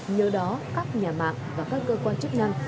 nhờ đó các nhà mạng và các cơ quan chức năng